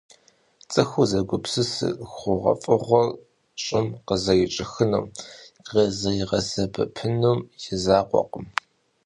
Ts'ıxur zegupsısır xhuğuef'ığuer ş'ım khızerış'ixınım, khızeriğesebepınım yi zakhuekhım.